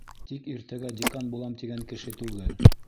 Тик иртәгә декан булам тигән кеше түгел!